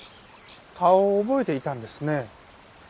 顔を覚えていたんですね。